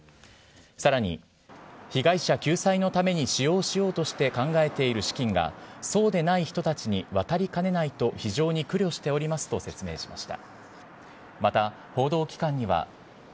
さらに、被害者救済のために使用しようとして考えている資金が、そうでない人たちに渡りかねないと非常に苦慮しておりますと説明しました。